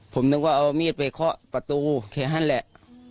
ผมนึกว่าเอามีดไปเคาะประตูแค่นั้นแหละ